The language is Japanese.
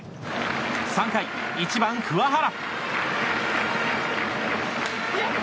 ３回、１番、桑原。